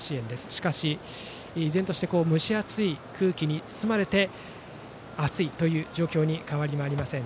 しかし依然として蒸し暑い空気に包まれて暑い状況に変わりはありません。